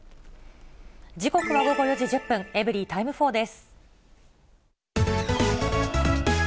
時刻は午後４時１０分、エブリィタイム４です。